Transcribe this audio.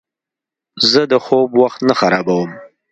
زه د خوب وخت نه خرابوم.